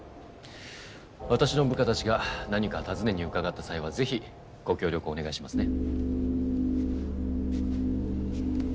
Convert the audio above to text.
私の部下たちが何か尋ねに伺った際はぜひご協力をお願いしますね。